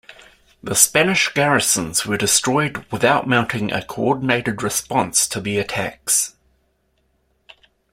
The Spanish garrisons were destroyed without mounting a coordinated response to the attacks.